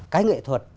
cái nghệ thuật